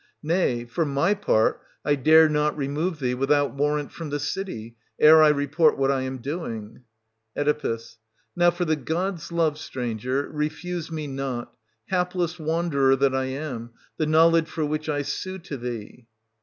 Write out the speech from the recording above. Nay, for my part, I dare not remove thee without warrant from the city, ere I report what I am doing. Oe. Now for the gods' love, stranger, refuse me not, hapless wanderer that I am, the knowledge for 50 which I sue to thee.